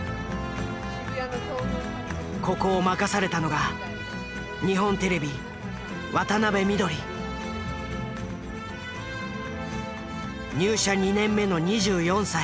ここを任されたのが入社２年目の２４歳。